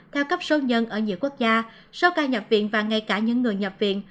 theo cấp số nhân ở nhiều quốc gia số ca nhập viện và ngay cả những người nhập viện